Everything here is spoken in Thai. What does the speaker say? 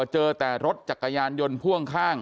เจอแต่รถจักรยานยนต์พ่วงข้าง